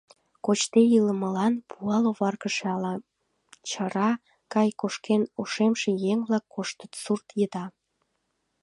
Кочде илымылан пуал оваргыше але чыра гай кошкен ошемше еҥ-влак коштыт сурт еда.